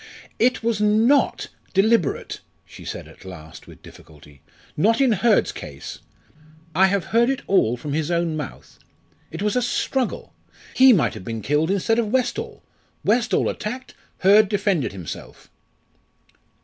"It was not deliberate," she said at last with difficulty; "not in Hurd's case. I have heard it all from his own mouth. It was a struggle he might have been killed instead of Westall Westall attacked, Hurd defended himself."